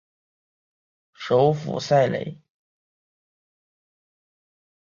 首府塞雷。